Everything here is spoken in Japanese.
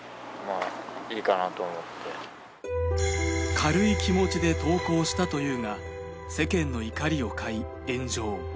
軽い気持ちで投稿したというが世間の怒りを買い炎上。